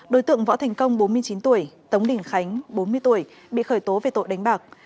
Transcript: đối tượng võ thành công bốn mươi chín tuổi tống đình khánh bốn mươi tuổi bị khởi tố về tội đánh bạc